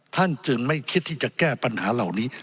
ท่านจึงไม่คิดที่จะแก้ปัญหาเหล่านี้